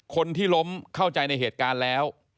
คนที่ล้มเข้าใจในเหตุการณ์แล้ว